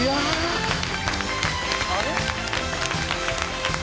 あれ？